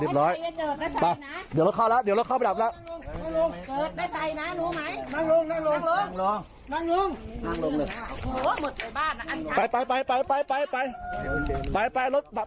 ไม่มีไม่มีมันเบลอมันไม่เรื่องโอเคจับด้วยล็อค